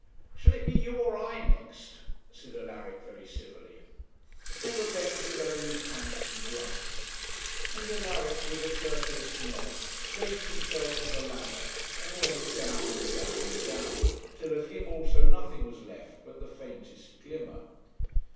'Shall it be you or I next?' said Alaric very civilly. Neverbend could only pant and grunt, and Alaric, with a courteous nod, placed himself on the ladder, and went down, down, down, till of him also nothing was left but the faintest glimmer.